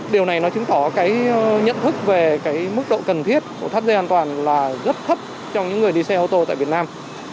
điều này nó chứng tỏ cái nhận thức về cái mức độ cần thiết của thắt dây an toàn là rất thấp trong những người đi xe ô tô tại việt nam